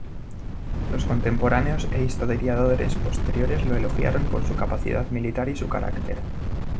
Los contemporáneos e historiadores posteriores lo elogiaron por su capacidad militar y su carácter.